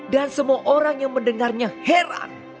dan semua orang yang mendengarnya heran